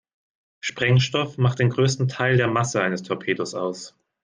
Sprengstoff macht den größten Teil der Masse eines Torpedos aus.